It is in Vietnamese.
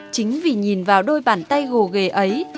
chính vì nhìn vào đôi bàn tay gồ ghề ấy